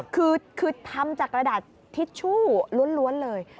คือทำจากกระดาษทิชชู่ล้วนเลย